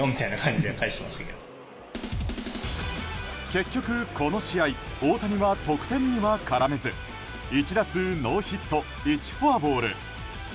結局、この試合大谷は得点には絡めず１打数ノーヒット１フォアボール。